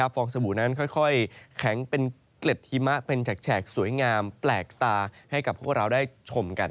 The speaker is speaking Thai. ฟองสบู่นั้นค่อยแข็งเป็นเกล็ดหิมะเป็นแฉกสวยงามแปลกตาให้กับพวกเราได้ชมกัน